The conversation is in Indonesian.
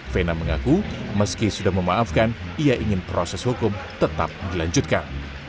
vena mengaku meski sudah memaafkan ia ingin proses hukum tetap dilanjutkan